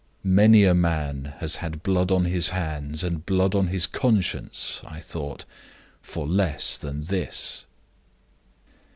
'Many a man has had blood on his hands and blood on his conscience,' I thought, 'for less than this.